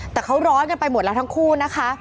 แต่เขาร้อนกันไปหมดแล้วทั้งคู่นะคะ